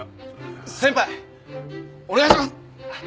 先輩お願いします！